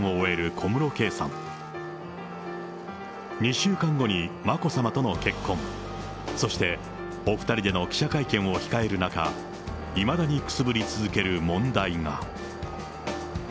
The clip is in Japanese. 小室さん、２週間後に眞子さまとの結婚、そして、お２人での記者会見を控える中、いまだにくすぶり続ける問題が。